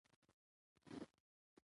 چې د طبقاتي ژوند په اړه يې وويلي.